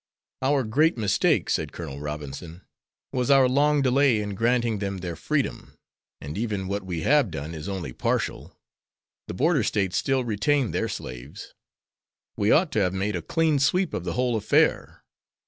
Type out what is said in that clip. "Our great mistake," said Colonel Robinson, "was our long delay in granting them their freedom, and even what we have done is only partial. The border States still retain their slaves. We ought to have made a clean sweep of the whole affair.